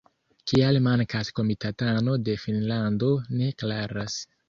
Kial mankas komitatano de Finnlando ne klaras.